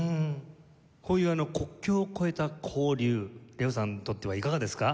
こういう国境を超えた交流ＬＥＯさんにとってはいかがですか？